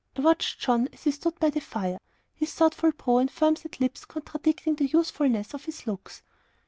I watched John as he stood by the fire; his thoughtful brow and firm set lips contradicting the youthfulness of his looks.